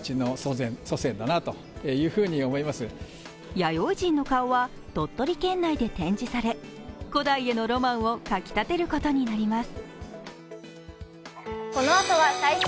弥生人の顔は鳥取県内で展示され、古代へのロマンをかきたてることになります。